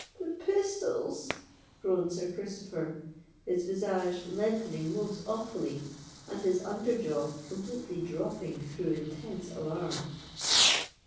"The pistols!" groaned Sir Christopher, his visage lengthening most awfully, and his under jaw completely dropping through intense alarm.